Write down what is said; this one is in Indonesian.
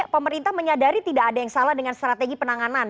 pemerintah menyadari tidak ada yang salah dengan strategi penanganan